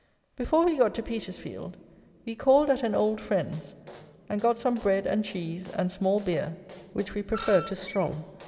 Before we got to Petersfield we called at an old friend's and got some bread and cheese and small beer, which we preferred to strong.